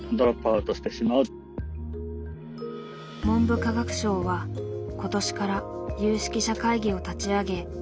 文部科学省は今年から有識者会議を立ち上げ